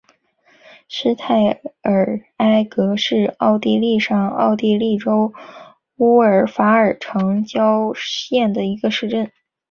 施泰尔埃格是奥地利上奥地利州乌尔法尔城郊县的一个市镇。